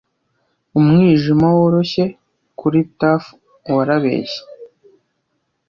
Umwijima woroshye kuri turf warabeshye.